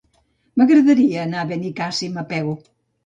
M'agradaria anar a Benicàssim a peu.